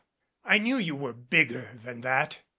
I knew you were bigger than that.